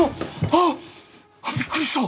あっびっくりした！